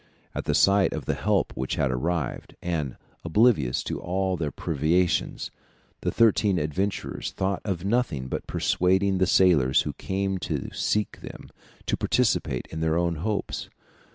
At the sight of the help which had arrived, and oblivious of all their privations, the thirteen adventurers thought of nothing but persuading the sailors who came to seek them to participate in their own hopes.